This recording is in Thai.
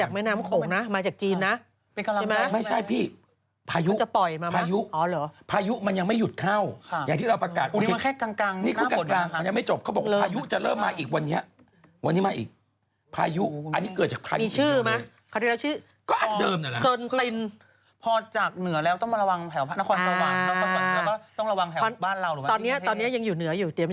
มันจะไหลมาจากแม่น้ำโขงนะมาจากจีนนะใช่ไหมพายุพายุ